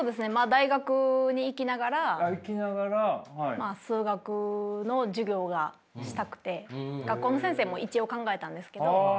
大学に行きながら数学の授業がしたくて学校の先生も一応考えたんですけど。